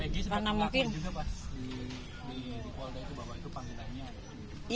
peggy sempat mengakui juga pas di kualitas itu bapak itu panggilannya